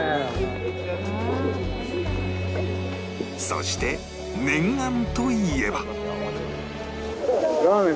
そして念願といえば